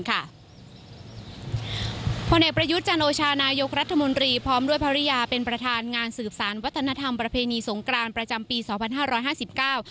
ผลเอกประยุทธ์จันโอชานายกรัฐมนตรีพร้อมด้วยภรรยาเป็นประธานงานสืบสารวัฒนธรรมประเพณีสงกรานประจำปีสองพันห้าร้อยห้าสิบเก้า